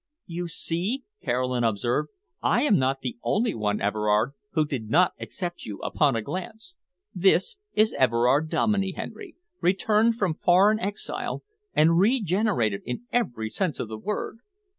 "You see," Caroline observed, "I am not the only one, Everard, who did not accept you upon a glance. This is Everard Dominey, Henry, returned from foreign exile and regenerated in every sense of the word."